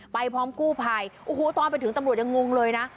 พร้อมกู้ภัยโอ้โหตอนไปถึงตำรวจยังงงเลยนะ